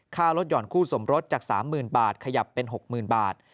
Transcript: ลดห่อนคู่สมรสจาก๓๐๐๐บาทขยับเป็น๖๐๐๐บาท